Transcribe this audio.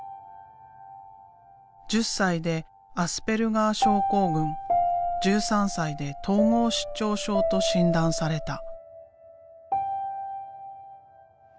１０歳でアスペルガー症候群１３歳で統合失調症と診断された。